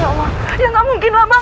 ya allah ya nggak mungkin lah bang